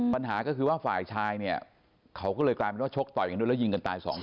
ปัญหาก็คือว่าฝ่ายชายเนี่ยเขาก็เลยกลายเป็นว่าชกต่อยกันด้วยแล้วยิงกันตายสองคน